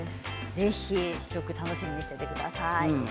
ぜひ試食を楽しみにしていてください。